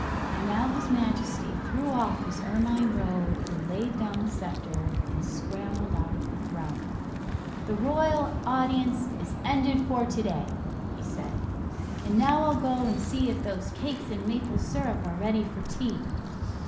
And now his Majesty threw off his ermine robe and laid down the sceptre and scrambled out of the throne. "The royal audience is ended for to day," he said, "and now I'll go and see if those cakes and maple syrup are ready for tea.